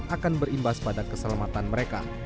akan berimbas pada keselamatan mereka